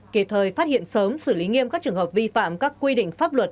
kịp thời phát hiện sớm xử lý nghiêm các trường hợp vi phạm các quy định pháp luật